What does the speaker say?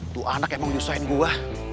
tuh anak emang nyusahin gue